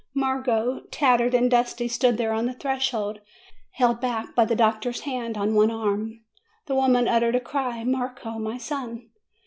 Marco, tattered and dusty, stood there on the thresh old, held back by the doctor's hand on one arm. The woman uttered a cry, "Marco! my son!"